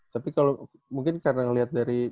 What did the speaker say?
tapi mungkin karena ngeliat dari